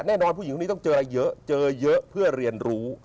ผู้หญิงคนนี้ต้องเจอเยอะเจอเยอะเพื่อเรียนรู้